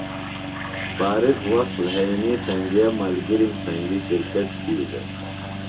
فارغ وقت لھئینی سنگئے ملگِرِم سنگیۡ کِرکٹ تھی دےۡ۔